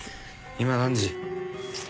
今何時？